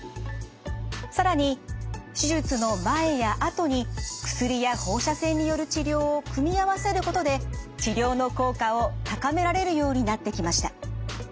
更に手術の前や後に薬や放射線による治療を組み合わせることで治療の効果を高められるようになってきました。